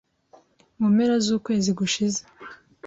Mu mpera z’ukwezi gushize,